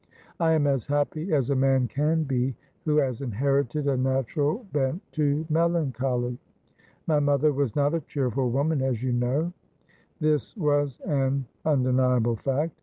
'I am as happy as a man can be who has inherited a natural bent to melancholy. My mother was not a cheerful woman, as you know.' This was an undeniable fact.